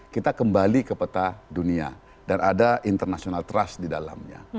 kita kembali ke peta dunia dan ada international trust di dalamnya